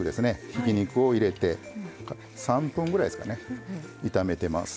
ひき肉を入れて３分ぐらいですかね炒めてます。